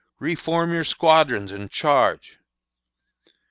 Re form your squadrons and charge!".